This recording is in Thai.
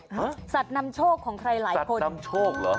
ฮะสัตว์นำโชกของใครไหลคนสัตว์นำโชกเหรอ